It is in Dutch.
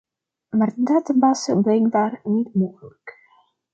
Maar dat was blijkbaar niet mogelijk.